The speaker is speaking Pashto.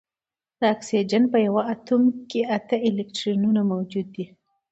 د اکسیجن په یوه اتوم کې اته الکترونونه موجود وي